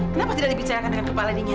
kenapa tidak dibicarakan dengan kepala dingin